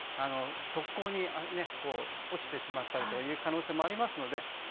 側溝に落ちてしまったりという可能性もありますので。